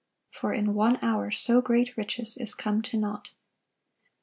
For in one hour so great riches is come to naught."